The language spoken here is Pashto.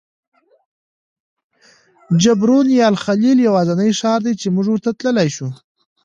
حبرون یا الخلیل یوازینی ښار دی چې موږ ورته تللی شو.